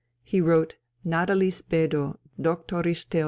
He wrote _Natalis Bedoe, doctoris Theol.